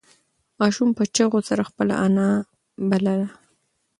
ماشوم په چیغو سره خپله انا بلله.